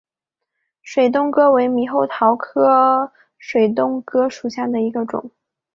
水东哥为猕猴桃科水东哥属下的一个种。